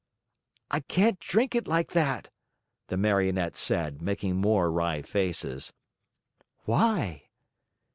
"I can't drink it like that," the Marionette said, making more wry faces. "Why?"